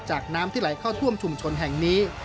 น้ำที่ไหลเข้าท่วมชุมชนแห่งนี้